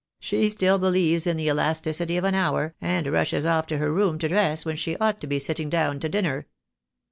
She still believes in the elasticity of an hour, and rushes off to her room to dress when she ought to be sitting down to dinner.